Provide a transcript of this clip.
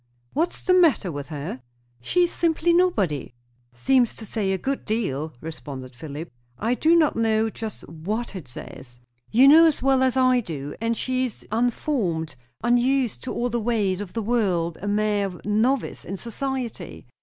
"What's the matter with her?" "She is simply nobody." "Seems to say a good deal," responded Philip. "I do not know just what it says." "You know as well as I do! And she is unformed; unused to all the ways of the world; a mere novice in society."